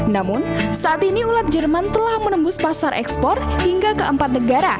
namun saat ini ulat jerman telah menembus pasar ekspor hingga ke empat negara